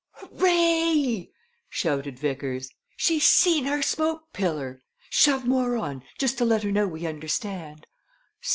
"Hooray!" shouted Vickers. "She's seen our smoke pillar! Shove more on, just to let her know we understand.